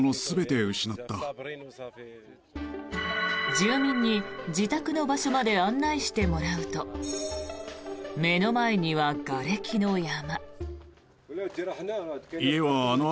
住民に自宅の場所まで案内してもらうと目の前にはがれきの山。